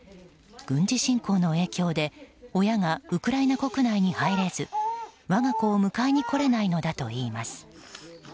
軍事侵攻の影響で親がウクライナ国内に入れず我が子を迎えに来れないのだといいます。